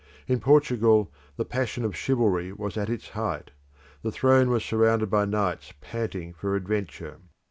In Portugal the passion of chivalry was at its height; the throne was surrounded by knights panting for adventure.